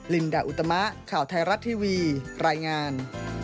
ลินดาอุตมะข่าวไทยรัฐทีวีรายงาน